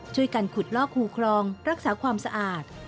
ช่วยกันขุดลอกคูคลองรักษาความสะอาด